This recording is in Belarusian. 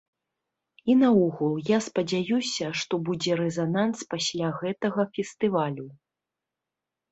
І наогул, я спадзяюся, што будзе рэзананс пасля гэтага фестывалю.